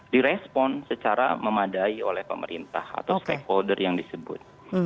direspon secara memadai oleh pemerintah atau stakeholder yang disebut